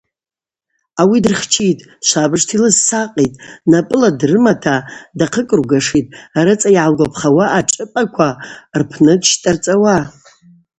Ауи дырхчитӏ, швабыжта йлызсакъитӏ, напӏыла дрымата дахъыкӏвыргашитӏ, рыцӏа йъалгвапхауа ашӏыпӏаква рпны дщтӏарцӏауа.